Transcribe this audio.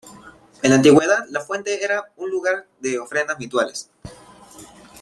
En la antigüedad, la fuente era un lugar de ofrendas rituales.